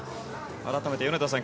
改めて米田さん